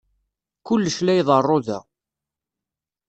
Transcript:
Kullec la iḍerru da.